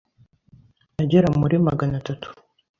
agera muri Magana atatu